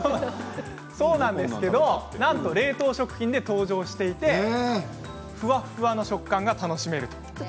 そうなんですけどなんと冷凍食品で登場していてふわふわの食感が楽しめると。